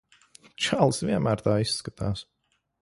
Čalis vienmēr tā izskatās.